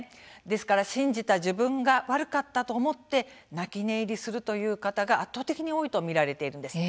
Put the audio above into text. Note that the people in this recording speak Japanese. ですから信じた自分が悪かったと思って泣き寝入りするという方が圧倒的に多いと見られているんです。